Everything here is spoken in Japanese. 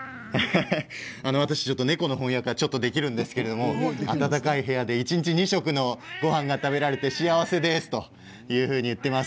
私、猫の翻訳ができるんですけど暖かい部屋で一日２食のごはんが食べられて幸せですと言っています。